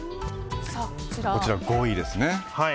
こちら、５位ですね。